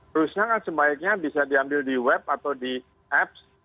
terusnya kan sebaiknya bisa diambil di web atau di apps